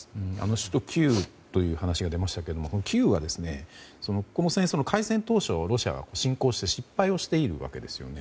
首都キーウという話が出ましたけどもキーウはこの戦争の開戦当初にロシアが侵攻して失敗をしているわけですよね。